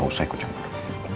tuh saya kucang dulu